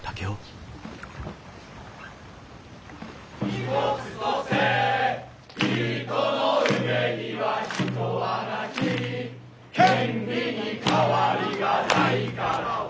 「一つとせ人の上には人はなき」「権利に変わりがないからは」